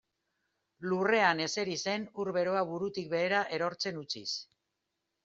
Lurrean ezeri zen ur beroa burutik behera erortzen utziz.